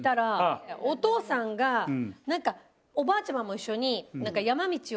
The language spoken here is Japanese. お父さんが何かおばあちゃまも一緒に。